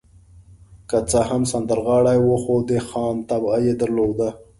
که څه هم سندرغاړی و، خو د خان طبع يې درلوده.